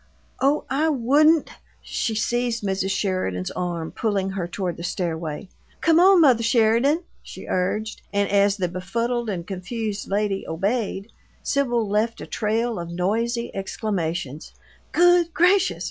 Oh, I wouldn't " She seized Mrs. Sheridan's arm, pulling her toward the stairway. "Come on, mother Sheridan!" she urged, and as the befuddled and confused lady obeyed, Sibyl left a trail of noisy exclamations: "Good gracious!